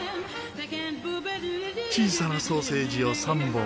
小さなソーセージを３本。